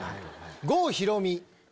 郷ひろみ。